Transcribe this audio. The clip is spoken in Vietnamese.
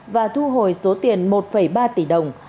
và thu hồi số tiền một ba tỷ đồng